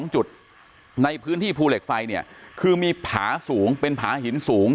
๒จุดในพื้นที่ภูเหล็กไฟเนี่ยคือมีผาสูงเป็นผาหินสูง